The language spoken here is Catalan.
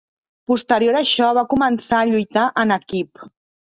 Posterior a això van començar a lluitar en equip.